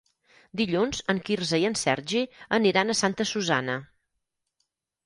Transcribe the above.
Dilluns en Quirze i en Sergi aniran a Santa Susanna.